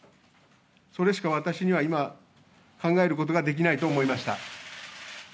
それしか私には今、考えることができないと思いました。